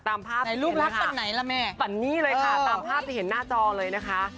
ไหนลูกรักปันไหนล่ะแม่ปันนี่เลยค่ะตามภาพที่เห็นหน้าจอเลยนะคะ